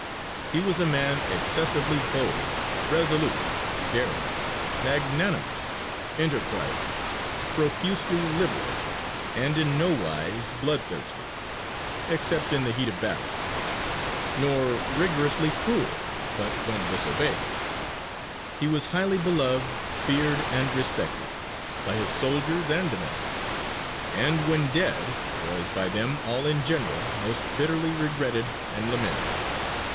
He was a man excessively bold, resolute, daring, magnanimous, enterprizing, profusely liberal, and in nowise bloodthirsty, except in the heat of battle, nor rigorously cruel but when disobeyed He was highly beloved, feared, and respected, by his soldiers and domestics, and when dead was by them all in general most bitterly regretted and lamented.